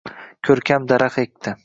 Ko'rkam daraxt ekdi